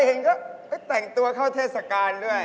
เห็นก็แต่งตัวเข้าเทศกาลด้วย